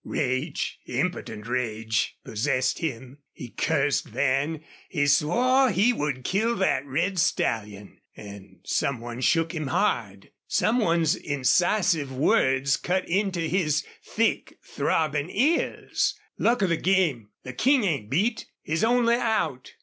Rage, impotent rage, possessed him. He cursed Van, he swore he would kill that red stallion. And some one shook him hard. Some one's incisive words cut into his thick, throbbing ears: "Luck of the game! The King ain't beat! He's only out!"